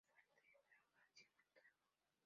Fuerte fragancia frutal.